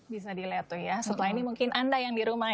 bisa dilihat tuh ya setelah ini mungkin anda yang di rumah